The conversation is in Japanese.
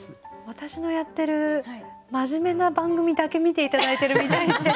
私のやってる真面目な番組だけ見て頂いてるみたいで。